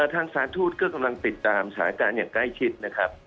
ทางสาธุตก็กำลังติดตามสถานการณ์อย่างใกล้ชิดนะครับ